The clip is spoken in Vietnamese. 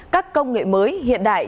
các công nghệ mới hiện đại